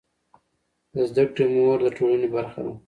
د زده کړې مور د ټولنې برخه ده.